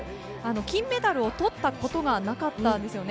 金メダルをとったことがなかったんですよね。